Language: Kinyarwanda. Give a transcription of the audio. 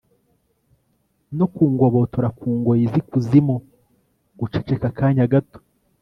no kungobotora ku ngoyi z'ikuzimu! (guceceka akanya gato